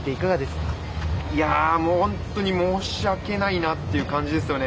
もう本当に申し訳ないなという感じですよね。